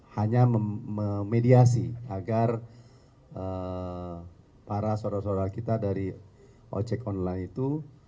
hanya memediasi agar para saudara saudara kita dari ojek online itu